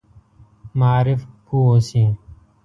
معارف پوه اوسي.